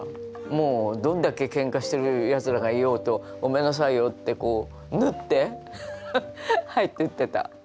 もうどんだけけんかしてるやつらがいようと「ごめんなさいよ」ってこう縫って入っていってた。